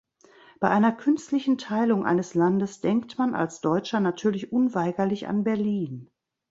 Bei einer künstlichen Teilung eines Landes denkt man als Deutscher natürlich unweigerlich an Berlin.